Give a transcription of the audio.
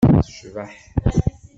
Tecbeḥ.